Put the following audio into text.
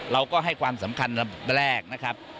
เราก็ให้ความสำคัญระดับแรกนะครับ